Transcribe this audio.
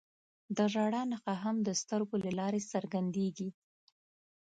د ژړا نښه هم د سترګو له لارې څرګندېږي